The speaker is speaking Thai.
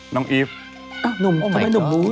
น้องอีฟนุ่มทำไมนุ่มรู้